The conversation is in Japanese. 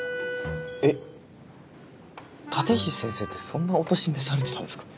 えっ立石先生ってそんなお年召されてたんですか？